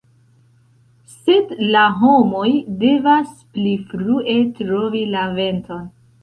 Sed la homoj devas pli frue trovi la venton”".